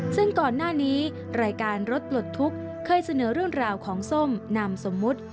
ซึ่งก่อนหน้านี้รายการรถปลดทุกข์เคยเสนอเรื่องราวของส้มนามสมมุติ